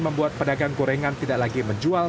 membuat pedagang gorengan tidak lagi menjual